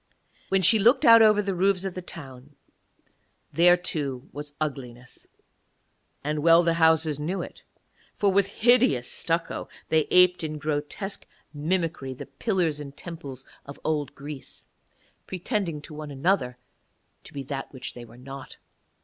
When she looked out over the roofs of the town, there too was ugliness; and well the houses knew it, for with hideous stucco they aped in grotesque mimicry the pillars and temples of old Greece, pretending to one another to be that which they were not.